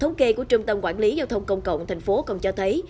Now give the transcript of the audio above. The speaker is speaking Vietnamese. thống kê của trung tâm quản lý giao thông công cộng tp công cho thấy